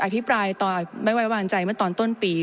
ภิปรายต่อไม่ไว้วางใจเมื่อตอนต้นปี